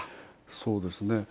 そうですね。